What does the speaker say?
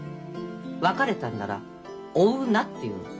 別れたんなら追うなっていうのよ。